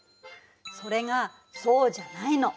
それがそうじゃないの。